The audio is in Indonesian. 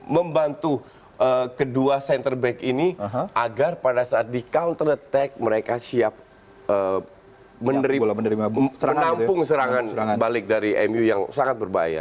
membantu kedua center back ini agar pada saat di counter attack mereka siap menampung serangan balik dari mu yang sangat berbahaya